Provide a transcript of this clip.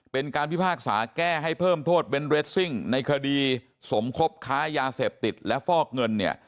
เป็นการพิพากษาแก้ให้เพิ่มโทษเน้นเรสซิ่งในคดีสมคบค้ายาเสพติดและฟอกเงินเนี่ย